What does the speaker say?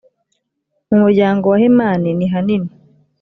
mu muryango wa hemani nihanini